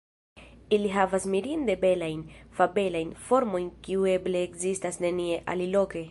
Ili havas mirinde belajn, fabelajn formojn, kiuj eble ekzistas nenie aliloke.